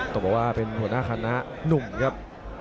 ต้องบอกว่าเป็นหัวหน้าคณะหนุ่มครับ